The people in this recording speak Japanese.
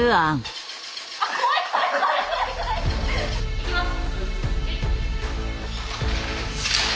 いきます。